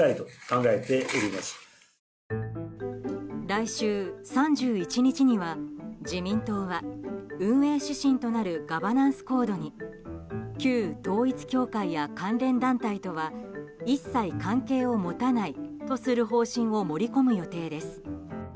来週３１日には自民党は運営指針となるガバナンスコードに旧統一教会や関連団体とは一切関係を持たないとする方針を盛り込む予定です。